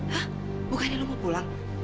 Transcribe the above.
hah bukannya lu mau pulang